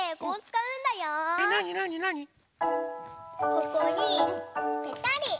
ここにぺたり。